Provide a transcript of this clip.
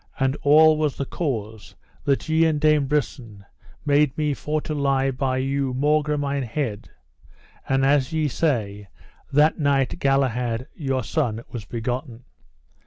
And all was the cause, that ye and Dame Brisen made me for to lie by you maugre mine head; and as ye say, that night Galahad your son was begotten.